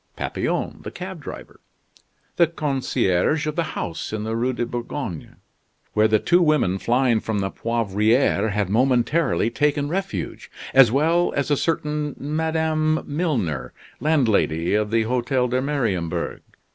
Papillon, the cab driver; the concierge of the house in the Rue de Bourgogne where the two women flying from the Poivriere had momentarily taken refuge; as well as a certain Madame Milner, landlady of the Hotel de Mariembourg.